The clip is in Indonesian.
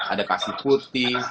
ada kasih putih